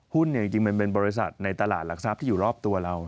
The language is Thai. จริงมันเป็นบริษัทในตลาดหลักทรัพย์ที่อยู่รอบตัวเรา